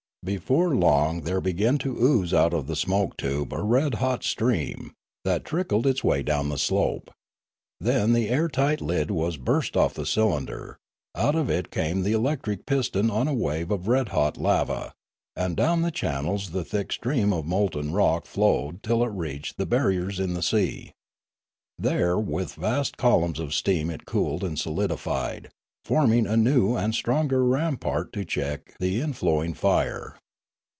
Before long there began to ooze out of the smoke tube a red hot 92 Limanora stream, that trickled its way down the slope. Then the air tight lid was burst off the cylinder, out of it came the electric piston on a wave of red hot lava, and down the channels the thick stream of molten rock flowed till it reached the barriers in the sea. There with vast columns of steam it cooled and solidified, forming a new and stronger rampart to check the in flowing fire.